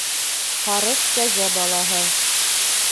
Һарыҡ, кәзә балаһы.